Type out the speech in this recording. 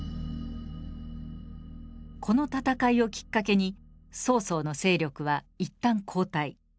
この戦いをきっかけに曹操の勢力は一旦後退。